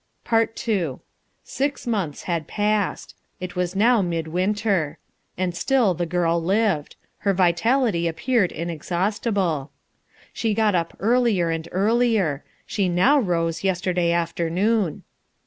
PART II Six months had passed. It was now mid winter. And still the girl lived. Her vitality appeared inexhaustible. She got up earlier and earlier. She now rose yesterday afternoon.